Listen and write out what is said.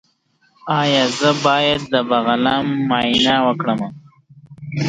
ایا زه باید د بلغم معاینه وکړم؟